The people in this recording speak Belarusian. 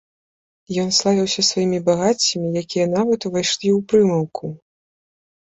Ён славіўся сваімі багаццямі, якія нават увайшлі ў прымаўку.